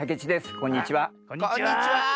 こんにちは！